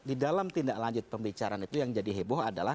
di dalam tindak lanjut pembicaraan itu yang jadi heboh adalah